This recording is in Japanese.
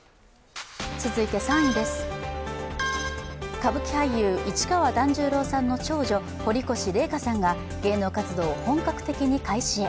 ３位です、歌舞伎俳優の市川團十郎さんの長女、堀越麗禾さんが芸能活動を本格的に開始へ。